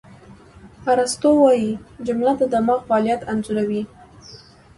ارسطو وایي، جمله د دماغ فعالیت انځوروي.